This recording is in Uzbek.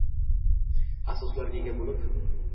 asoslarga ega bo‘lib